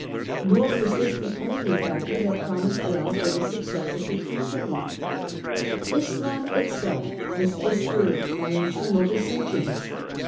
Nor was this the only factor that promised well for the success of the Crusade. Islam itself was disturbed by internal dissensions.